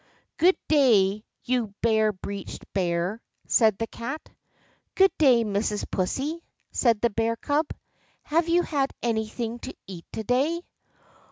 "Good day, you bare breeched bear," said the Cat. "Good day, Mrs. Pussy," said the bear cub; "have you had anything to eat to day?"